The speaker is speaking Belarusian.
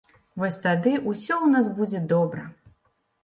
Вось тады ўсё у нас будзе добра.